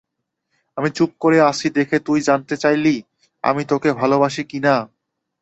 আমি চুপ করে আছি দেখে তুই জানতে চাইলি, আমি তোকে ভালোবাসি কিনা।